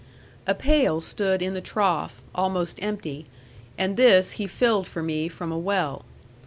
A pail stood in the trough, almost empty; and this he filled for me from a well.